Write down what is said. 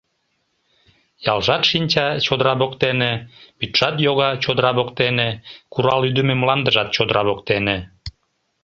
Ялжат шинча — чодыра воктене, вӱдшат йога — чодыра воктене, курал-ӱдымӧ мландыжат — чодыра воктене.